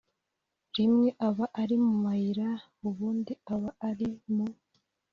Rimwe aba ari mu mayira ubundi aba ari mu